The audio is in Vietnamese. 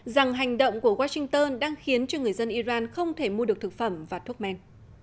rằng hành động của washington đang khiến cho người dân iran không thể mua được thực phẩm và thuốc men